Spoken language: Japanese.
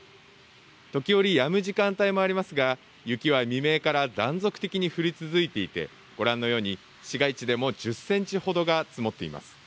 時折、やむ時間帯もありますが雪は未明から断続的に降り続いていてご覧のように市街地でも１０センチほどが積もっています。